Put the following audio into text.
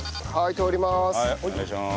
通ります。